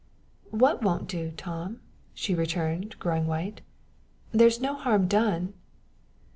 "What won't do, Tom?" she returned, growing white. "There's no harm done."